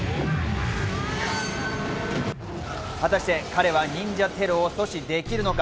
果たして彼は忍者テロを阻止できるのか。